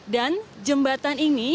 dan jembatan ini